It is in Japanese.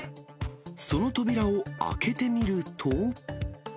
その扉を開けてみると。